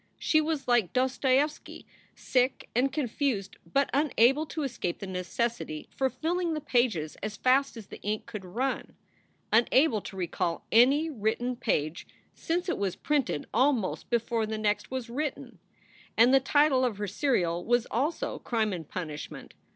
She was like Dostoieffsky, sick and confused, but unable to escape the necessity for filling the pages as fast as the ink could run, unable to recall any written page since it was 94 SOULS FOR SALE printed almost before the next was written. And the title of her serial was also "Crime and Punishment."